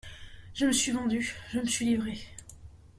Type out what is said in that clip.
Je me suis vendue, je me suis livrée.